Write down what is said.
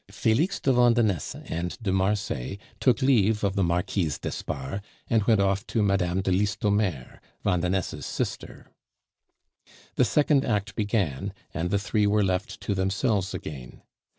Felix de Vandenesse and de Marsay took leave of the Marquise d'Espard, and went off to Mme. de Listomere, Vandenesse's sister. The second act began, and the three were left to themselves again.